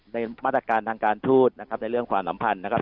ในมาตรการทางการทูตนะครับในเรื่องความสัมพันธ์นะครับ